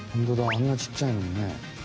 あんなちっちゃいのにね。